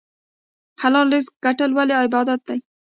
حلال رزق ګټل ولې عبادت دی؟